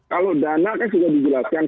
kalau dana kan sudah dijelaskan